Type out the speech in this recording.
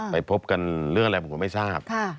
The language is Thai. ไปพบกันเรื่องอะไรผมก็ไม่ทราบ